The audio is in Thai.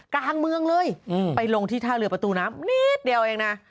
กลางเมืองเลยไปลงที่ท่าเรือประตูน้ำนิดเดียวเองนะ